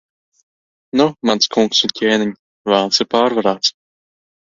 Nu, mans kungs un ķēniņ, Velns ir pārvarēts.